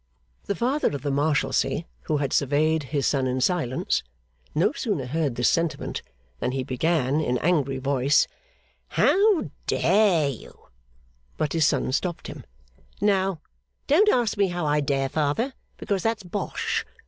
The Father of the Marshalsea, who had surveyed his son in silence, no sooner heard this sentiment, than he began in angry voice: 'How dare you ' But his son stopped him. 'Now, don't ask me how I dare, father, because that's bosh.